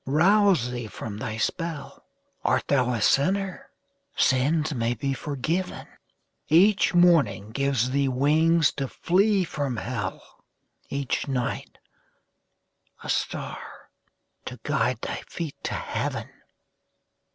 Rouse thee from thy spell ; Art thou a sinner? Sins may be forgiven ; Each morning gives thee wings to flee from hell, Each night a star to guide thy feet to heaven.